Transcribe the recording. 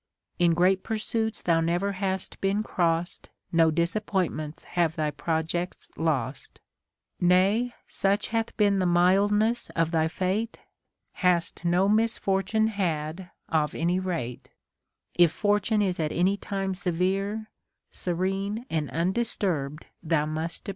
In great pursuits thou never hast been cross'd No disappointments have thy projects lost; Nay, such hath been the mildness of thy fate, Hast no misfortune had of anj' rate ; If Fortune is at any time severe, Serene and undisturbed thou must appear.